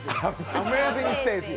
アメージングスタジオ。